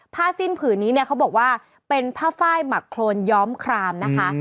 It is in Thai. ผ้าสิ้นผืนนี้เนี่ยเขาบอกว่าเป็นผ้าไฟหมักโครนย้อมครามนะคะ